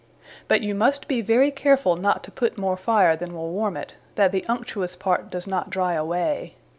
But you must be very carefull, not to put more fire, than will warme it, that the unctuous part doe not dry away.